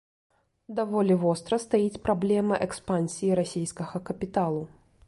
Даволі востра стаіць праблема экспансіі расейскага капіталу.